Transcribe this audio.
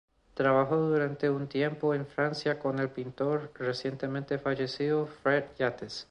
Trabajó durante un tiempo en Francia con el pintor, recientemente fallecido, Fred Yates.